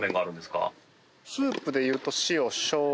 スープでいうと。